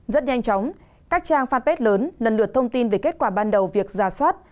rất nhanh chóng các trang fanpage lớn lần lượt thông tin về kết quả ban đầu việc giả soát